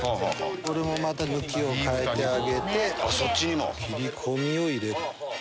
これもまた向きを変えてあげて切り込みを入れる。